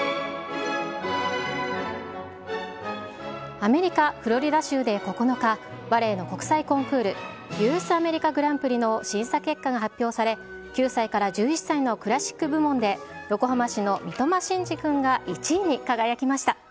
アメリカ・フロリダ州で９日、バレエの国際コンクール、ユース・アメリカ・グランプリの審査結果が発表され、９歳から１１歳のクラシック部門で、横浜市の三苫心嗣君が１位に輝きました。